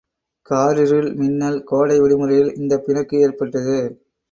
காரிருளில் மின்னல் கோடை விடுமுறையில் இந்தப் பிணக்கு ஏற்பட்டது.